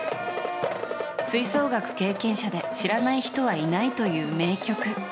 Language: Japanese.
吹奏楽経験者で知らない人はいないという名曲。